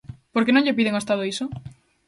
¿Por que non lle piden ao Estado iso?